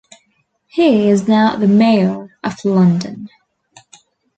He is now the Mayor of London.